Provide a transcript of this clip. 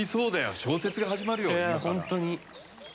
小説が始まるよ。